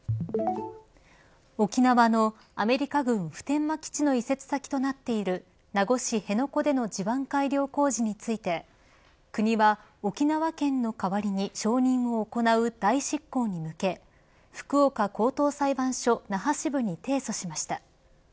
沖縄のアメリカ軍普天間基地の移設先となっている名護市・辺野古での地盤改良工事について国は沖縄県の代わりに承認を行う代執行に向け福岡高等裁判所那覇支部に提訴しました。